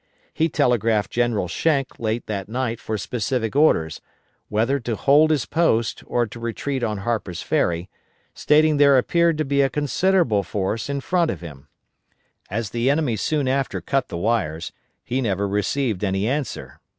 He telegraphed General Schenck late that night for specific orders, whether to hold his post or to retreat on Harper's Ferry, stating there appeared to be a considerable force in front of him. As the enemy soon after cut the wires, he never received any answer.